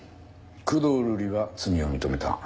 工藤瑠李は罪を認めた。